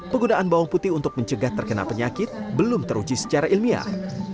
penggunaan bawang putih untuk mencegah terkena penyakit belum teruji secara ilmiah